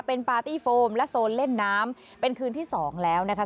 เป็นปาร์ตี้โฟมและโซนเล่นน้ำเป็นคืนที่๒แล้วนะคะ